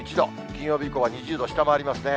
金曜日以降は２０度を下回りますね。